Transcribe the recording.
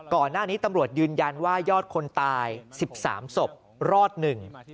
ก่อนหน้านี้ตำรวจยืนยันว่ายอดคนตาย๑๓ศพรอดหนึ่ง